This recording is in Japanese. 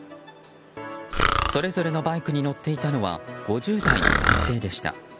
それぞれのバイクに乗っていたのは５０代の男性でした。